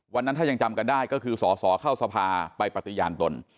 วันนั้นถ้ายังจำกันได้ก็คือสอสอเข้าสภาไปปฏิญาณตน